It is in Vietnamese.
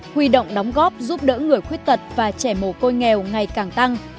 huy động đóng góp giúp đỡ người khuyết tật và trẻ mồ côi nghèo ngày càng tăng